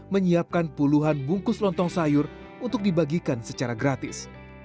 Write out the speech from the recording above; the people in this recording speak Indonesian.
menyiapkan puluhan bungkus lontong sayur untuk dibagikan secara gratis